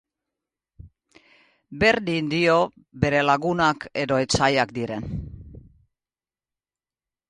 Berdin dio bere lagunak edo etsaiak diren.